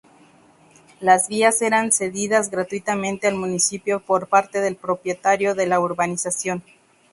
Las vías eran cedidas gratuitamente al municipio por parte del propietario de la urbanización.